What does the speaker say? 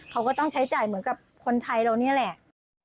เขาก็ต้องใช้จ่ายเหมือนกับคนไทยเรานี่แหละ